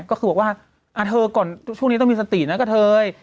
ก็คือบอกว่าเธอก่อนช่วงนี้ต้องมีสตินะกะเทย